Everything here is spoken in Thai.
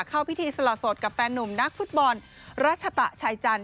เข้าพิธีสละสดกับแฟนนุ่มนักฟุตบอลรัชตะชัยจันท